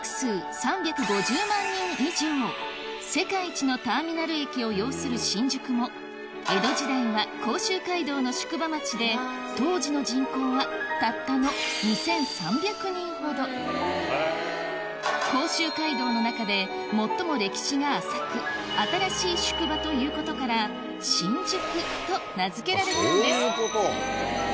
世界一のターミナル駅を擁する新宿も江戸時代は甲州街道の宿場町で当時の人口はたったの２３００人ほど甲州街道の中で最も歴史が浅く「新しい宿場」ということから新宿と名付けられたんです